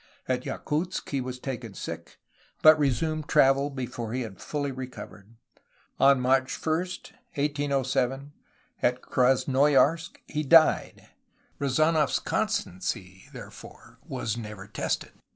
At Yakutsk he was taken sick, but resumed travel before he had fully re covered. On March 1, 1807, at Krasnoyarsk, he died. Rezanof's constancy, therefore, was never tested.